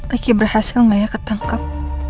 ricky berhasil gak ya ketangkap